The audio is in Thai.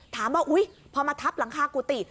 ว่าอุ๊ยพอมาทับหลังคากุฏิ